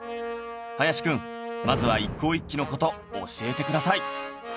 林くんまずは一向一揆の事教えてください